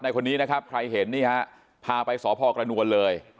ในคนนี้ครับใครเห็นเนี่ยภายไปสกระนวลเลย